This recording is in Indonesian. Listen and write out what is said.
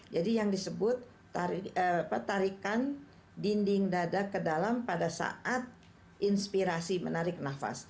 jadi yang disebut tarikan dinding dada ke dalam pada saat inspirasi menarik nafas